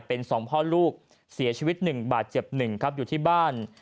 เป็น๒พ่อลูกเสียชีวิต๑บาทเจ็บ๑ครับอยู่ที่บ้าน